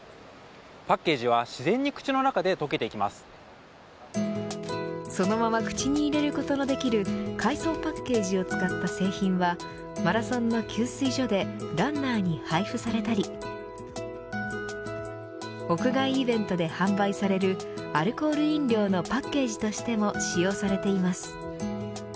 パッケージは自然に口の中で溶けそのまま口に入れることのできる海藻パッケージを使った製品はマラソンの給水所でランナーに配布されたり屋外イベントで販売されるアルコール飲料のパッケージとしても使用されています。